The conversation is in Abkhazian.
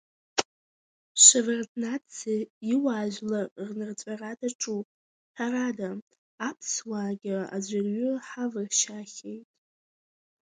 Шеварднаӡе иуаажәлар рнырҵәара даҿуп, ҳәарада, аԥсуаагьы аӡәырҩы ҳавыршьаахьеит.